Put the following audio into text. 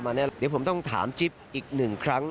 เดี๋ยวผมต้องถามจิ๊บอีกหนึ่งครั้ง